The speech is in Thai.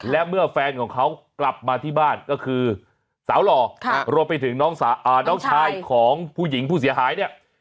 และเมื่อแฟนของเขากลับมาที่บ้านก็คือสาวหล่อรวมไปถึงน้องชายของผู้หญิงผู้เสียหายเนี่ย